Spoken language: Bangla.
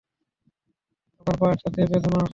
আমার পা একসাথে বেঁধো না।